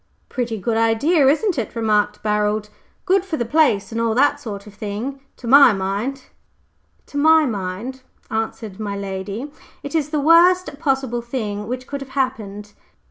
"Pretty good idea, isn't it?" remarked Barold. "Good for the place and all that sort of thing." "To my mind," answered my lady, "it is the worst possible thing which could have happened."